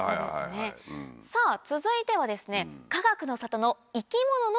さぁ続いてはですね。